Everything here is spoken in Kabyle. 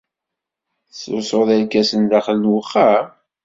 Tettlusud irkasen daxel n uxxam?